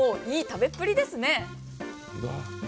いい食べっぷりですね。